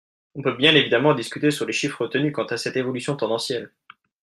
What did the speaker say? On peut bien évidemment discuter sur les chiffres retenus quant à cette évolution tendancielle.